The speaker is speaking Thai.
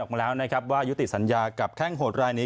ถ้ามีออกมาแล้วที่ยุติศันยากับแขล่งห่วตแล้วคือ